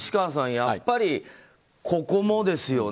やっぱりここもですよね。